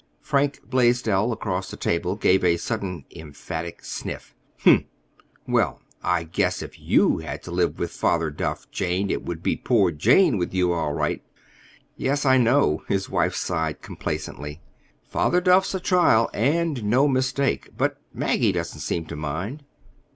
Frank Blaisdell, across the table, gave a sudden emphatic sniff. "Humph! Well, I guess if you had to live with Father Duff, Jane, it would be 'poor Jane' with you, all right!" "Yes, I know." His wife sighed complacently. "Father Duff's a trial, and no mistake. But Maggie doesn't seem to mind."